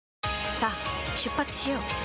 さあ出発しよう。